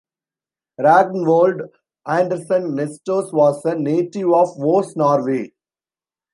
Ragnvold Anderson Nestos was a native of Voss, Norway.